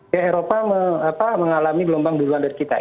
ya eropa mengalami gelombang duluan dari kita ya